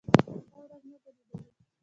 ښه ورځ نه ده لېدلې.